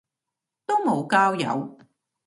都無交友